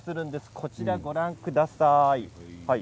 こちらご覧ください。